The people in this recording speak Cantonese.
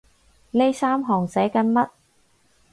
呢三行寫緊乜？